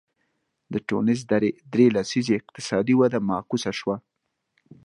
د ټونس درې لسیزې اقتصادي وده معکوسه شوه.